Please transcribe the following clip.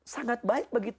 sangat baik begitu